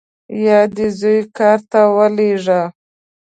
یا دې زوی کار ته راولېږه.